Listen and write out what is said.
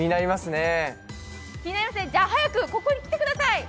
じゃ、早くここに来てください！